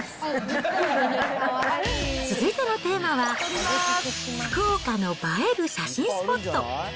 続いてのテーマは、福岡の映える写真スポット。